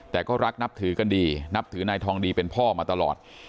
แต่ก็รักนับถือกันดีนับถือนายทองดีเป็นพ่อมาตลอด